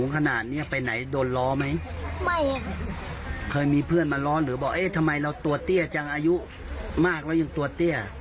เคยมีเพื่อนมาร้อนหรือบอกทำไมเราตัวเตี้ยจังอายุมากแล้วยังตัวเตี้ย